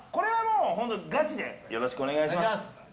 ガチでよろしくお願いします。